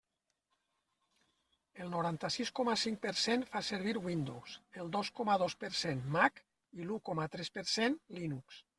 El noranta-sis coma cinc per cent fa servir Windows, el dos coma dos per cent Mac i l'u coma tres per cent Linux.